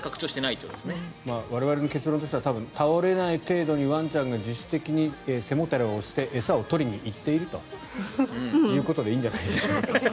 我々の結論としては倒れない程度にワンちゃんが自主的に背もたれを押して餌を取りに行っているということでいいんじゃないでしょうか。